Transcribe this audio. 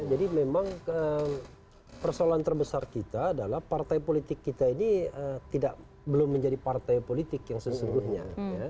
jadi memang persoalan terbesar kita adalah partai politik kita ini belum menjadi partai politik yang sesungguhnya